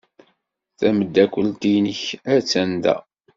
Tameddakelt-nnek attan da.